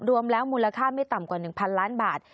รวมแล้วมูลค่าไม่ต่ำกว่า๑๐๐ล้านบาท